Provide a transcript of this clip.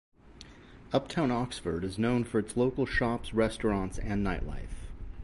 Uptown Oxford is known for its local shops, restaurants, and nightlife.